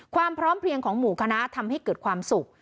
ความพร้อมเพลียงของหมู่คณะทำให้เกิดความสุข